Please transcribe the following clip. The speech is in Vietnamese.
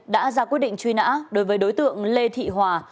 đã ra quyết định truy nã đối với đối tượng lê thị hòa